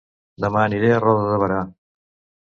Dema aniré a Roda de Berà